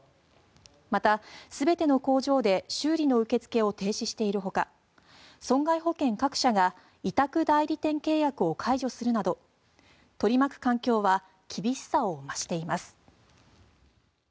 また、全ての工場で修理の受け付けを停止しているほか損害保険各社が委託代理店契約を解除するなど取り巻く環境は厳しさを増しています。